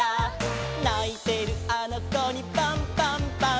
「ないてるあのこにパンパンパン！！」